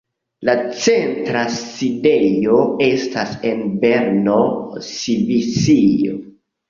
La centra sidejo estas en Berno, Svisio.